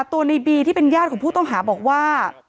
ในบีที่เป็นญาติของผู้ต้องหาบอกว่า